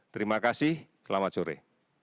terima kasih selamat sore